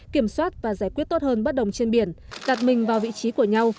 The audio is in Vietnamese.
kiểm soát và giải quyết tốt hơn bất đồng trên biển đặt mình vào vị trí của nhau